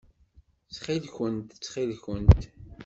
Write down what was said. Ttxil-kent! Ttxil-kent!